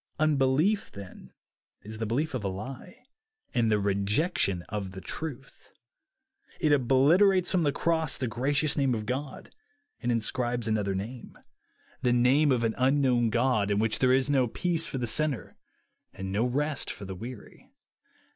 Un belief, then, is the belief of a lie and the rejection of the truth. It obliterates from the cross the gracious name of God, and inscribes another name, the name of an D 38 aOD*3 CIIARAOTER unknown god, in wliicli there is no peace for the sinner and no rest for the weary.